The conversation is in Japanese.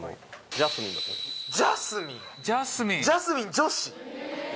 ジャスミン女子。